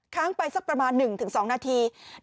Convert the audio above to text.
ค้างไปสักประมาณ๑๒นาที